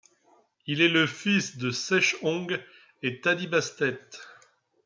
Il est le fils de Sheshonq et Tadibastet.